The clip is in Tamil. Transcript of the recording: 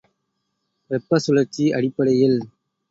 வெப்பச் சுழற்சி அடிப்படையில்.